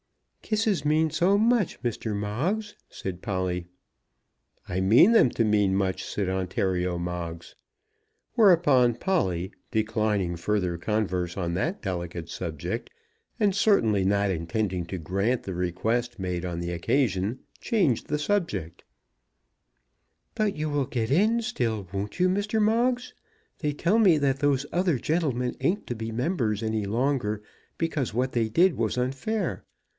"Kisses mean so much, Mr. Moggs," said Polly. "I mean them to mean much," said Ontario Moggs. Whereupon Polly, declining further converse on that delicate subject, and certainly not intending to grant the request made on the occasion, changed the subject. "But you will get in still; won't you, Mr. Moggs? They tell me that those other gentlemen ain't to be members any longer, because what they did was unfair.